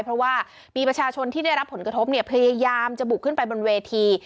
เพราะว่ามีประชาชนที่ได้รับผลกระทบเนี่ยพยายามจะบุกขึ้นไปบนเวที